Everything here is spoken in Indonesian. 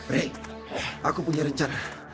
rey aku punya rencan